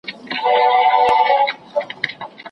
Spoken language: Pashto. نه قوت یې د دښمن وو آزمېیلی